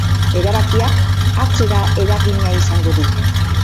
Erabakiak atzera eragina izango du.